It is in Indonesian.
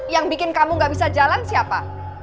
yang bikin kamu gak bisa jalan siapa